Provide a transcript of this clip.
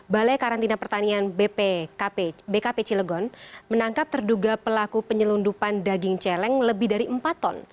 balai karantina pertanian bkp cilegon menangkap terduga pelaku penyelundupan daging celeng lebih dari empat ton